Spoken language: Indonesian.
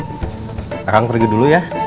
dut kakak yang pergi dulu ya